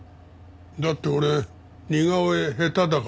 だって俺似顔絵下手だから。